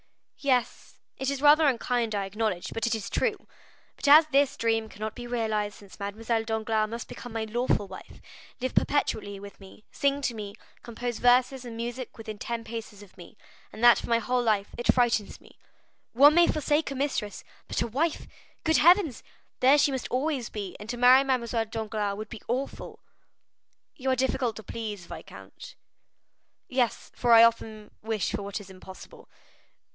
"Yes; it is rather unkind, I acknowledge, but it is true. But as this dream cannot be realized, since Mademoiselle Danglars must become my lawful wife, live perpetually with me, sing to me, compose verses and music within ten paces of me, and that for my whole life, it frightens me. One may forsake a mistress, but a wife,—good heavens! There she must always be; and to marry Mademoiselle Danglars would be awful." "You are difficult to please, viscount." "Yes, for I often wish for what is impossible."